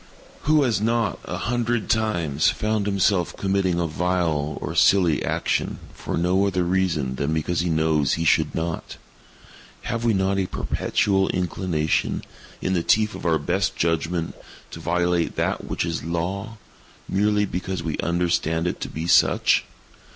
Who has not, a hundred times, found himself committing a vile or a silly action, for no other reason than because he knows he should not? Have we not a perpetual inclination, in the teeth of our best judgment, to violate that which is Law, merely because we understand it to be such?